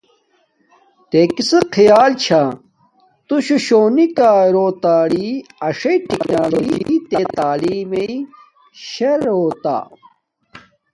تے کسک خیال چھاہ کہ تو شو شونی کا رو اݽݽ تکنالوجیا تے تعلیم شاہ روتہ